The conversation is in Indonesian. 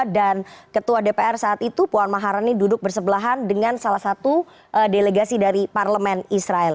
dan ketua dpr saat itu puan maharani duduk bersebelahan dengan salah satu delegasi dari parlemen israel